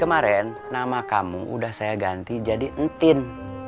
kemarin nama kamu udah saya ganti jadi entin